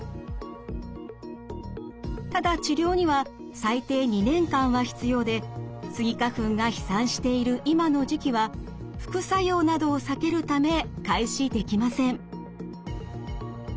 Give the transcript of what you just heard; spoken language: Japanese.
ただ治療には最低２年間は必要でスギ花粉が飛散している今の時期は副作用などを避けるため開始できません。